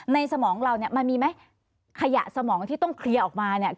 สมองเราเนี่ยมันมีไหมขยะสมองที่ต้องเคลียร์ออกมาเนี่ย